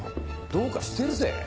どうかしてるぜ。